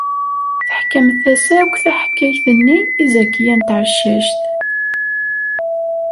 Teḥkamt-as akk taḥkayt-nni i Zakiya n Tɛeccact.